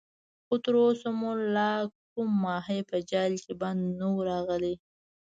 خو تر اوسه مو لا کوم ماهی په جال کې بند نه وو راغلی.